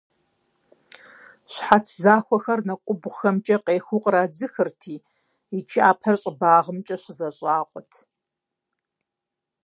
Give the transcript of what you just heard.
Щхьэц захуэхэр нэкӀубгъухэмкӀэ къехыу кърадзыхырти, и кӀапэр щӀыбагъымкӀэ щызэщӀакъуэрт.